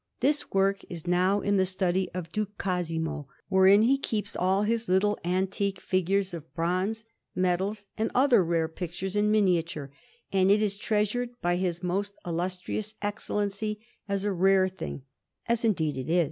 This work is now in the study of Duke Cosimo, wherein he keeps all his little antique figures of bronze, medals, and other rare pictures in miniature; and it is treasured by his most illustrious Excellency as a rare thing, as indeed it is.